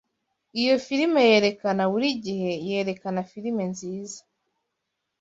Iyo firime yerekana buri gihe yerekana firime nziza.